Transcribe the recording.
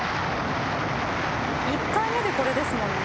１回目でこれですもんね。